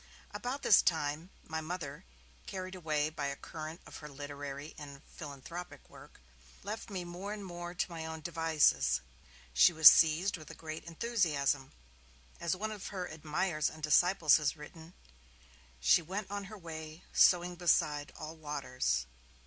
About this time, my Mother, carried away by the current of her literary and her philanthropic work, left me more and more to my own devices. She was seized with a great enthusiasm; as one of her admirers and disciples has written, 'she went on her way, sowing beside all waters'.